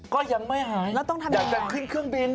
ก็ยังไม่หายอยากจะขึ้นเครื่องบิน